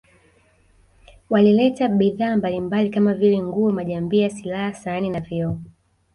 Walileta bidhaa mbalimbali kama vile nguo majambia silaha sahani na vioo